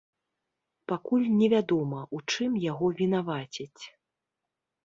Пакуль невядома, у чым яго вінавацяць.